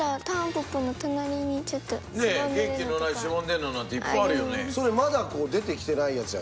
元気のないしぼんでいるのなんていっぱいあるよね。